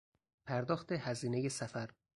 پرداخت هزینهی سفر